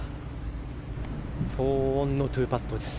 ４オンの２パットです。